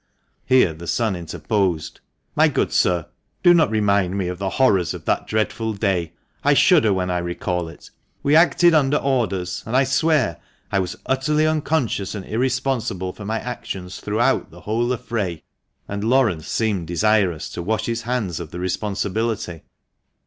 Here the son interposed :" My good sir, do not remind me of the horrors of that dreadful day ! I shudder when I recall it. We acted under orders, and I swear I was utterly unconscious and irresponsible for my actions throughout the whole affray." And Laurence seemed desirous to wash his hands of the responsibility.